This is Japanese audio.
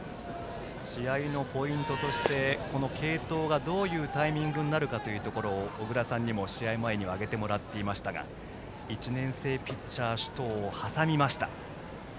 試合のポイントとして継投がどういうタイミングになるかというところを小倉さんにも試合前には挙げてもらっていましたが１年生ピッチャー首藤を挟みました。